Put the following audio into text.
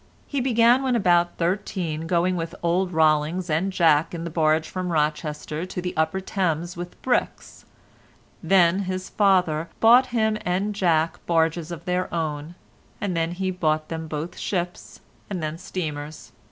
He began when about thirteen going with old Rollings and Jack in the barge from Rochester to the upper Thames with bricks; then his father bought him and Jack barges of their own, and then he bought them both ships, and then steamers.